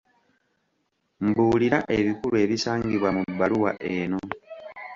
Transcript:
Mbuulira ebikulu ebisangibwa mu bbaluwa eno.